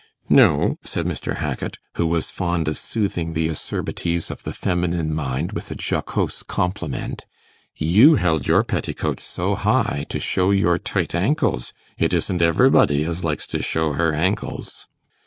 'No,' said Mr. Hackit, who was fond of soothing the acerbities of the feminine mind with a jocose compliment, 'you held your petticoats so high, to show your tight ankles: it isn't everybody as likes to show her ankles.